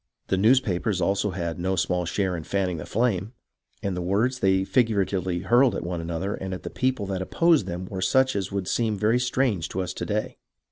The newspapers also had no small share in fanning the flame, and the words they figuratively hurled at one another and at the people that opposed them were such as would seem very strange to us to day.